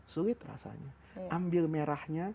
sulit rasanya ambil merahnya